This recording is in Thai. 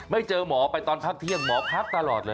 ไม่เจอหมอไปตอนพักเที่ยงหมอพักตลอดเลย